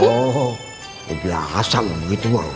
oh biasa begitu bang